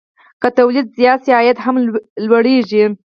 که تولید زیات شي، عاید هم لوړېږي.